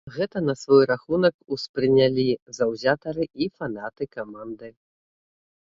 Гэта на свой рахунак успрынялі заўзятары і фанаты каманды.